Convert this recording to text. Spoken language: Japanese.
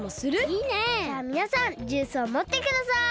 じゃあみなさんジュースをもってください。